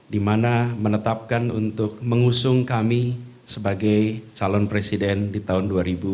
dimana menetapkan untuk mengusung kami sebagai calon presiden di tahun dua ribu dua puluh